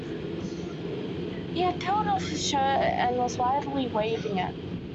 He had peeled off his shirt and was wildly waving it.